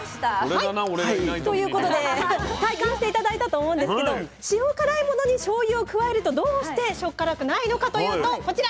はいということで体感して頂いたと思うんですけど塩辛いものにしょうゆを加えるとどうして塩辛くないのかというとこちら。